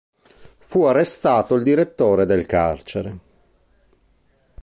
Fu arrestato il direttore del carcere.